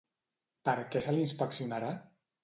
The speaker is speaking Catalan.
Per què se l'inspeccionarà?